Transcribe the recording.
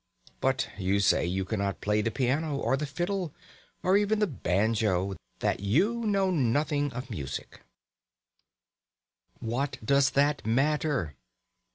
But you say you cannot play the piano or the fiddle, or even the banjo; that you know nothing of music. What does that matter?